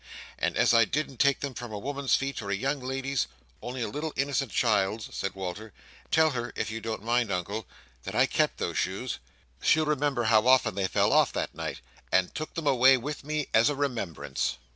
And as I didn't take them from a woman's feet, or a young lady's: only a little innocent child's," said Walter: "tell her, if you don't mind, Uncle, that I kept those shoes—she'll remember how often they fell off, that night—and took them away with me as a remembrance!"